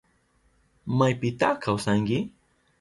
¿Maypita kawsanki?